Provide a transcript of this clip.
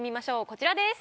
こちらです。